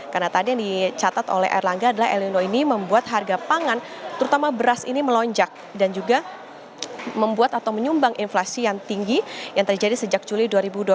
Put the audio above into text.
karena tadi yang dicatat oleh erlangga adalah elindo ini membuat harga pangan terutama beras ini melonjak dan juga membuat atau menyumbang inflasi yang tinggi yang terjadi sejak juli dua ribu dua puluh tiga